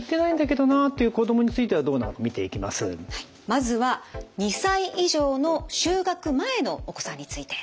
まずは２歳以上の就学前のお子さんについて。